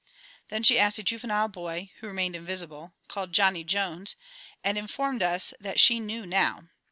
Then she asked a juvenile boy (who remained invisible), called "JOHNNY JONES," and informed us that "she knew now."